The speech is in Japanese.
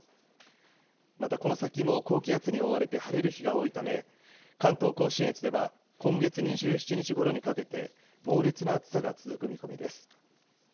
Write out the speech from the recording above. またこの先も高気圧に覆われて晴れる日が多いため、関東甲信越では今月２７日ごろにかけて猛烈な暑さが続く見込みです。